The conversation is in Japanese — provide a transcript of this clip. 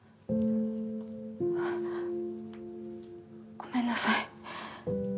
あっごめんなさい。